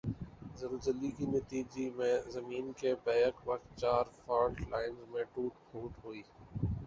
زلزلی کی نتیجی میں زمین کی بیک وقت چار فالٹ لائنز میں ٹوٹ پھوٹ ہوئی۔